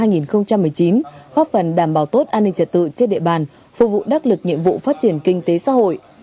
góp phần đảm bảo tốt an ninh trật tự trên địa bàn phục vụ đắc lực nhiệm vụ phát triển kinh tế xã hội